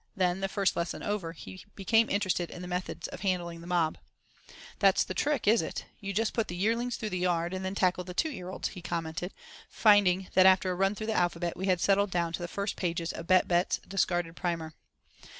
Then, the first lesson over, he became interested in the methods of handling the mob. "That's the trick, is it? You just put the yearlings through the yard, and then tackle the two year olds." he commented, finding that after a run through the Alphabet we had settled down to the first pages of Bett Bett's discarded Primer.